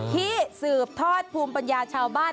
ที่สืบทอดภูมิปัญญาชาวบ้าน